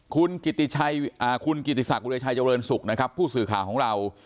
คุณกิติศักดิชัยเจริญสุขนะครับผู้สื่อข่าวของเรา